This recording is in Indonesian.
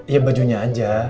ya bajunya aja